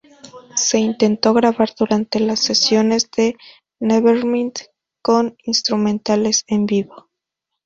Se intentó grabar durante las sesiones de "Nevermind", con instrumentales en vivo.